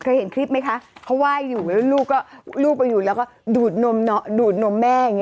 เห็นคลิปไหมคะเขาไหว้อยู่แล้วลูกก็ลูกไปอยู่แล้วก็ดูดดูดนมแม่อย่างนี้